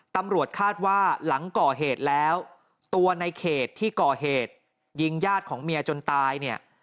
ตำรวจคาดว่าหลังก่อเหตุแล้วตัวในเขตที่ก่อเหตุยิงญาติของเมียจนตายเนี่ย